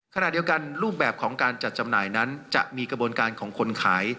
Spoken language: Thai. ขณะเดียวกันรูปแบบของการจัดจำหน่ายนั้นจะมีกระบวนการของคนขาย